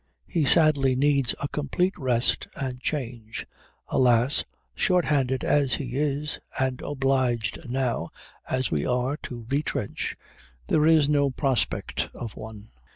He sadly needs a complete rest and change. Alas, shorthanded as he is and obliged now as we are to retrench, there is no prospect of one_."